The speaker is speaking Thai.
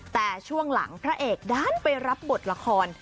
แต่ช่วงหลังพระเอกด้านไปรับบทละคร